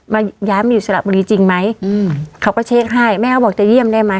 มาย้ายมาอยู่สระบุรีจริงไหมอืมเขาก็เช็คให้แม่เขาบอกจะเยี่ยมได้ไหม